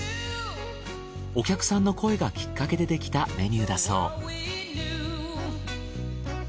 お客さんの声がきっかけでできたメニューだそう。